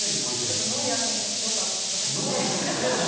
ノイアー選手のすごさを佐々木さん、お願いします。